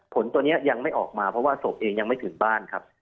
ผลตัวนี้ยังไม่ออกมาเพราะว่าศพเองยังไม่ถึงบ้านครับ